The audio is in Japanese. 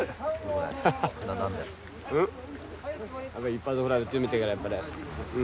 一発ぐらい撃ってみてえからやっぱり。